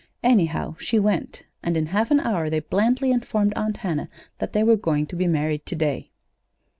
Anyhow, she went, and in half an hour they blandly informed Aunt Hannah that they were going to be married to day.